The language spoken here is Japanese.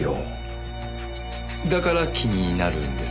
だから気になるんですか？